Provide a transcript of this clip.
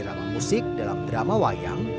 drama musik dalam drama wayang